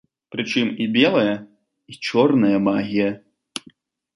Прычым і белая, і чорная магія.